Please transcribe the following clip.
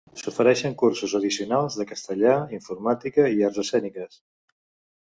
S'ofereixen cursos addicionals de castellà, informàtica, i arts escèniques.